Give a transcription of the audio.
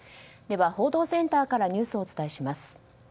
では報道センターからニュースをお伝えします。